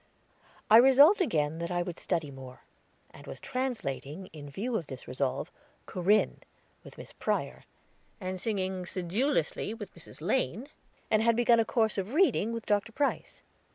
I resolved again that I would study more, and was translating, in view of this resolve, "Corinne," with Miss Prior, and singing sedulously with Mrs. Lane, and had begun a course of reading with Dr. Price.